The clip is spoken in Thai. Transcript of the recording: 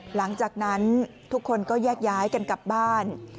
หลังจากนั้นทุกคนก็แยกย้ายกันกลับบ้าน